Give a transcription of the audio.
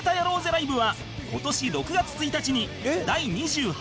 ライブは今年６月１日に第２８回目を開催